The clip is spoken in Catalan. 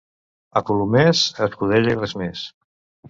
A Colomers, escudella i res més.